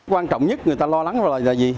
quan trọng nhất người ta lo lắng là gì